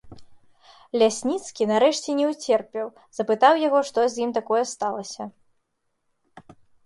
Лясніцкі, нарэшце, не ўцерпеў, запытаў яго, што з ім такое сталася.